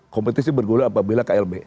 kompetisi bergolong apabila klb